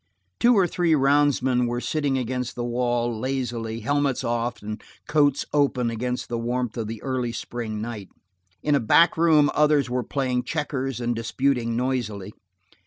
Two or three roundsmen were sitting against the wall, lazily, helmets off and coats open against the warmth of the early spring night. In a back room others were playing checkers and disputing noisily.